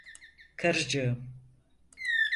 Karıcığım…